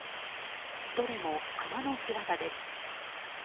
どれも、クマの仕業です。